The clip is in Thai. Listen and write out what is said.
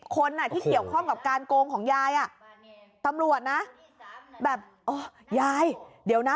๑๐คนที่เขียวค่องกับการกงของยายอ่ะตำรวจนะแบบยายเดี๋ยวนะ